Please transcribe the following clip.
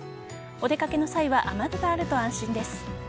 お出掛けの際は雨具があると安心です。